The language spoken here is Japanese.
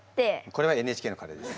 これはＮＨＫのカレーです。